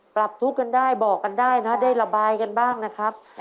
ปรับทุกข์กันได้บอกกันได้นะได้ระบายกันบ้างนะครับ